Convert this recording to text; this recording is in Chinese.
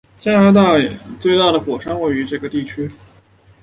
加拿大最大的火山位于这个地区。